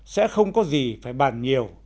sẽ không có gì phải bàn nhiều